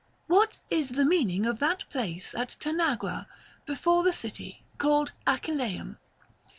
What is the meaning of that place at Tanagra, before the city, called Achilleum'?